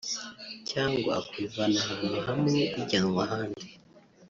cyangwa kubivana ahantu hamwe bijyanwa ahandi